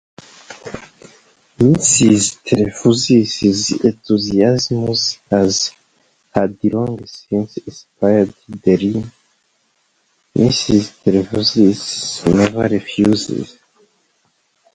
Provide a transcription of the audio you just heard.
Mrs. Trefusis's enthusiasms had long since inspired the rhyme 'Mrs Trefusis never refuses.